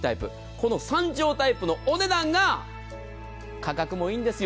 この３帖タイプのお値段が価格もいいんですよ。